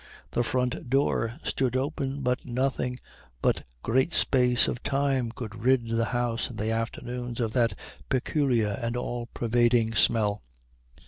The front door stood open, but nothing but great space of time could rid the house in the afternoons of that peculiar and all pervading smell.